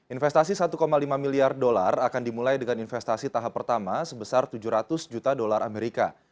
investasi satu lima miliar dolar akan dimulai dengan investasi tahap pertama sebesar tujuh ratus juta dolar amerika